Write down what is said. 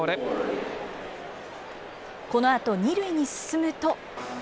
このあと２塁に進むと。